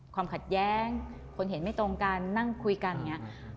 ความขัดแย้งคนเห็นไม่ตรงกันนั่งคุยกันอย่างนี้